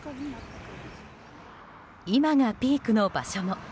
今がピークの場所も。